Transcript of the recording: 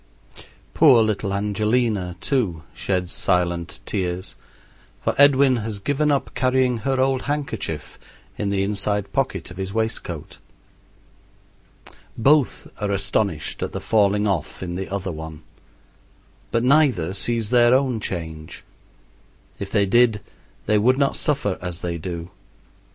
Poor little Angelina, too, sheds silent tears, for Edwin has given up carrying her old handkerchief in the inside pocket of his waistcoat. Both are astonished at the falling off in the other one, but neither sees their own change. If they did they would not suffer as they do.